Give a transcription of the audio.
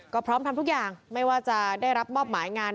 ก็พร้อมทำทุกอย่างไม่ว่าจะได้รับมอบหมายงาน